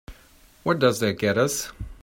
What does that get us?